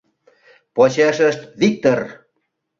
Почешышт — Виктор.